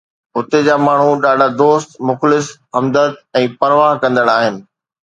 هتي جا ماڻهو ڏاڍا دوست، مخلص، همدرد ۽ پرواهه ڪندڙ آهن.